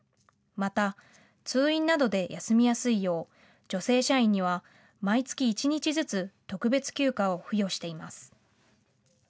また通院などで休みやすいよう女性社員には毎月１日ずつ特別休暇を付与しています。